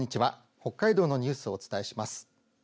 北海道のニュースをお伝えします。